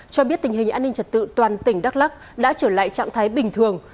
cho biết tình hình an ninh trật tự toàn tỉnh đắk lắc đã trở lại trạng thái bình thường